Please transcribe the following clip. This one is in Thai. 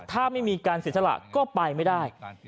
ถ้าไม่มีการเสียสละก็ไปไม่ได้